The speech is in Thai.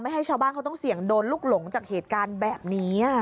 ให้ชาวบ้านเขาต้องเสี่ยงโดนลูกหลงจากเหตุการณ์แบบนี้